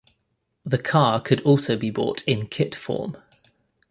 The car could also be bought in kit form.